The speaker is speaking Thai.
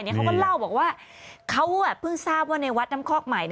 เขาก็เล่าบอกว่าเขาเพิ่งทราบว่าในวัดน้ำคอกใหม่